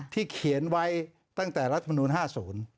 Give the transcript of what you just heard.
ที่เขียนไว้ตั้งแต่รัฐมนุษย์๕๐